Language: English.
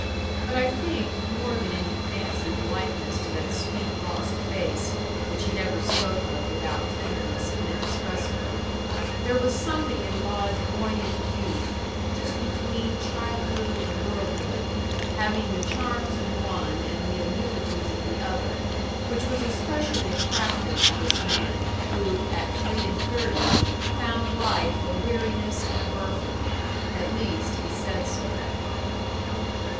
But I think, more than any fancied likeness to that sweet lost face, which he never spoke of without tenderness inexpressible, there was something in Maud's buoyant youth just between childhood and girlhood, having the charms of one and the immunities of the other which was especially attractive to this man, who, at three and thirty, found life a weariness and a burthen at least, he said so.